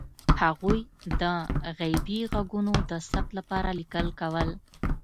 هغوی د غیبي غږونو د ثبت لپاره لیکل کول.